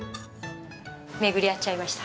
巡り会っちゃいました。